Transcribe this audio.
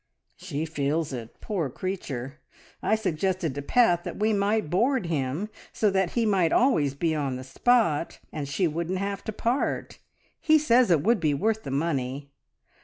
... She feels it, poor creature! I suggested to Pat that we might board him, so that he might always be on the spot, and she wouldn't have to part. He says it would be worth the money.